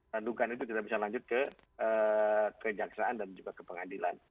randukan itu tidak bisa lanjut ke kejaksaan dan juga ke pengadilan